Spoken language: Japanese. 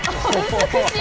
美しい。